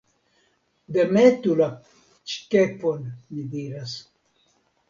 Demetu la kepon, mi diras.